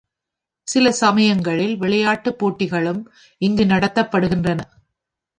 சில சமயங்களில் விளையாட்டுப் போட்டிகளும் இங்கு நடத்தப்படுகின்றன.